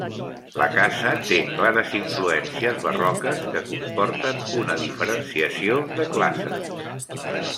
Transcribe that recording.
La casa té clares influències barroques que comporten una diferenciació de classes.